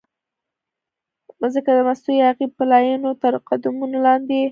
مځکه د مستو او یاغي پیلانو ترقدمونو لاندې